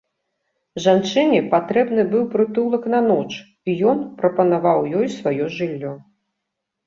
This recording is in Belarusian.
Жанчыне патрэбны быў прытулак на ноч, і ён прапанаваў ёй сваё жыллё.